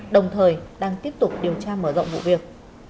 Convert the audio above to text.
đồng thời đang tiếp tục điều tra mở rộng vụ việc